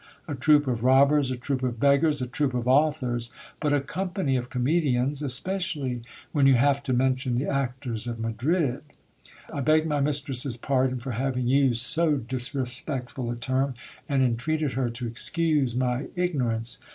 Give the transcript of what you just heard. A troop of rob bers, a troop of beggars, a troop of authors ; but a company of comedians, especially when you have to mention the actors of Madrid. I begged my mis tress's pardon for having used so disrespectful a term, and entreated her to excuse my ignorance.